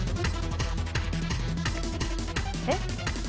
えっ？